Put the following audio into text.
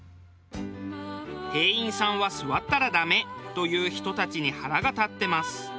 「店員さんは座ったらダメ！」と言う人たちに腹が立ってます。